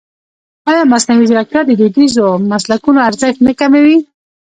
ایا مصنوعي ځیرکتیا د دودیزو مسلکونو ارزښت نه کموي؟